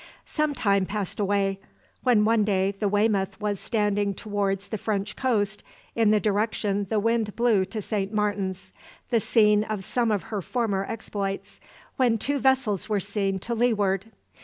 Some time passed away, when one day the "Weymouth" was standing towards the French coast in the direction the wind blew to Saint Martin's, the scene of some of her former exploits, when two vessels were seen to leeward.